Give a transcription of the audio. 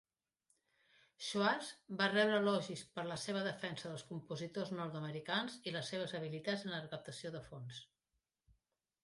Schwarz va rebre elogis per la seva defensa dels compositors nord-americans i les seves habilitats en la recaptació de fons.